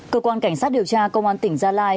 cơ quan cảnh sát điều tra công an tỉnh gia lai